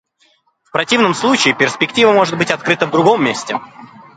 В противном случае перспектива может быть открыта в другом месте.